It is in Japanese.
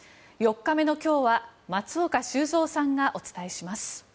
４日目の今日は松岡修造さんがお伝えします。